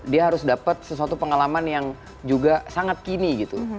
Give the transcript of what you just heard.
dia harus dapat sesuatu pengalaman yang juga sangat kini gitu